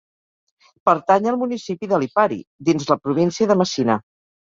Pertany al municipi de Lipari, dins la província de Messina.